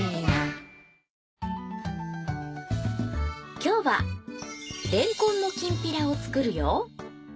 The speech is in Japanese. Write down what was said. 今日はれんこんのきんぴらを作るよ。